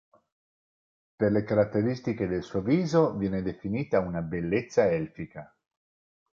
Per le caratteristiche del suo viso viene definita una "bellezza elfica".